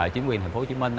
chính quyền tp hcm